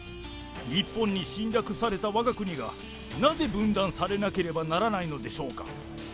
日本に侵略されたわが国が、なぜ分断されなければならないのでしょうか。